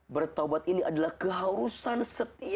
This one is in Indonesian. bertaubat ini adalah keharusan kita untuk berbicara tentang allah swt